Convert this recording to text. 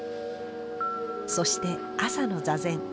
そして朝の座禅。